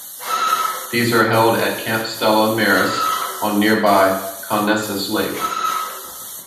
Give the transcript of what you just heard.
These are held at Camp Stella Maris on nearby Conesus Lake.